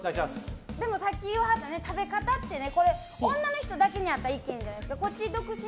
さっき言わはった食べ方って女の人だけにあった意見じゃないですか。